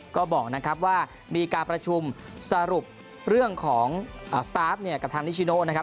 ก็บอกนะครับว่ามีการประชุมสรุปเรื่องของสตาร์ฟเนี่ยกับทางนิชิโนนะครับ